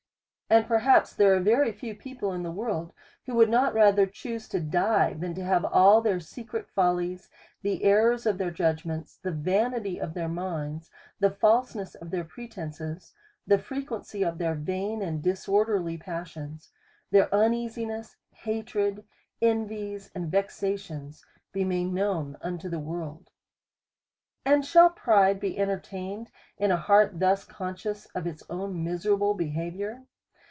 And perhaps there are very few people in the world, who would not rather chuse to die, than to have all their secret follies, the errors of their judg ments, the vanity of their minds, the falseness of their pretences, the frequency of their vain and disorderly passions, their uneasiness, hatreds, envies, and vex ations, made known unto the world. And shall pride be entertained in a heart thus con scious of its own miserable behaviour